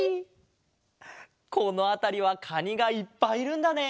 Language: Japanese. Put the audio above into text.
このあたりはかにがいっぱいいるんだね。